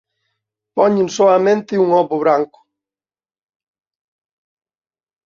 Poñen soamente un ovo branco.